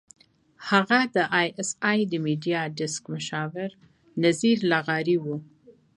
هغه د اى ايس اى د میډیا ډیسک مشاور نذیر لغاري وو.